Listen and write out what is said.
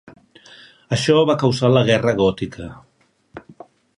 Això va causar la Guerra Gòtica.